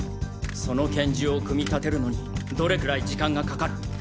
その拳銃を組み立てるのにどれくらい時間がかかる？